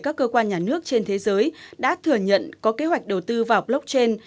các cơ quan nhà nước trên thế giới đã thừa nhận có kế hoạch đầu tư vào blockchain